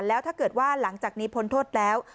แล้วถ้าเกิดว่าหลังจากนี้พ้นโทษแล้ว